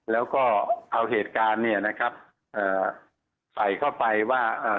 แล้วก็เอาเหตุการณ์ใส่เข้าไปว่า